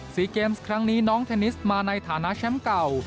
ซีเกมส์ครั้งนี้น้องเทนนิสมาในฐานะแชมป์เก่า